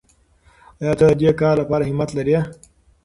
آیا ته د دې کار لپاره همت لرې؟